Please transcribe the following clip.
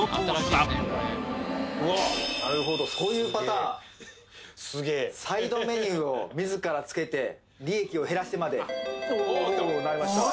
なるほどそういうパターンスゲえサイドメニューを自ら付けて利益を減らしてまでお来た！